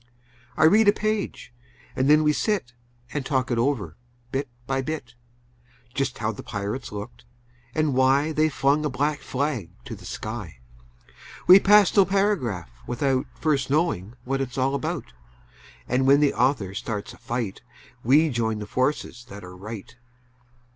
I read a page, and then we sit And talk it over, bit by bit; Just how the pirates looked, and why They flung a black flag to the sky. We pass no paragraph without First knowing what it's all about, And when the author starts a fight We join the forces that are right.